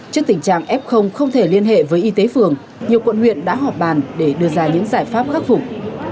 trước tình trạng f không thể liên hệ với y tế phường nhiều quận huyện đã họp bàn để đưa ra những giải pháp khắc phục